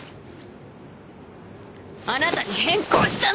あなたに変更したの！